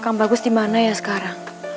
kau mau dicarianku ke jakarta